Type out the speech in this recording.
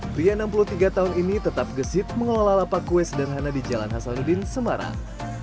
pria enam puluh tiga tahun ini tetap gesit mengelola lapak kue sederhana di jalan hasanuddin semarang